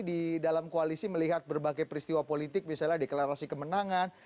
di dalam koalisi melihat berbagai peristiwa politik misalnya deklarasi kemenangan